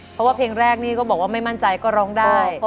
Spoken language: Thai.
เพราะว่าเพลงแรกนี่ก็บอกว่าไม่มั่นใจก็ร้องได้